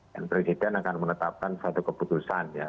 dan presiden akan menetapkan suatu keputusan ya